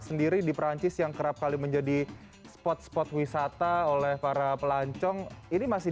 sendiri di perancis yang kerap kali menjadi spot spot wisata oleh para pelancong ini masih